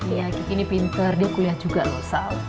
iya kiki ini pinter dia kuliah juga mas shel